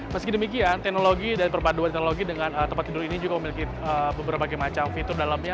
meski demikian teknologi dan perpaduan teknologi dengan tempat tidur ini juga memiliki berbagai macam fitur dalamnya